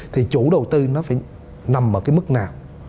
thì chủ đầu tư nó phải nằm ở cái mức nào